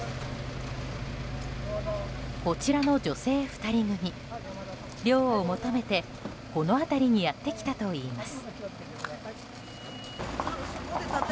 こちらの女性２人組涼を求めて、この辺りにやってきたといいます。